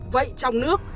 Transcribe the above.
vậy trong nước